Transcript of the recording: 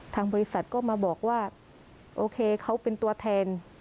ทางบริษัทก็มาบอกว่าโอเคเขาเป็นตัวแทน